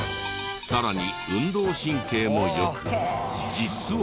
さらに運動神経も良く実は。